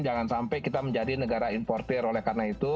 jangan sampai kita menjadi negara yang berusaha